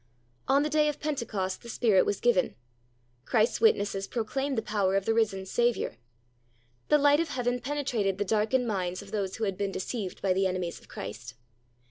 On the day of Pentecost the Spirit was given. Christ's witnesses proclaimed the power of the risen Saviour. The light of heaven penetrated the darkened minds of those who had been deceived by the enemies of Christ.